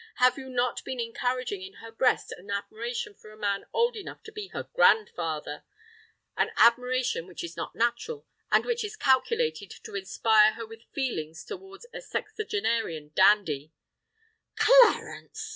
—have you not been encouraging in her breast an admiration for a man old enough to be her grandfather—an admiration which is not natural, and which is calculated to inspire her with feelings towards a sexagenarian dandy——" "Clarence!"